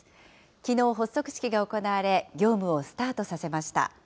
きのう発足式が行われ、業務をスタートさせました。